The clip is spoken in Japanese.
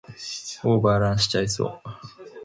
オーバーランしちゃいそう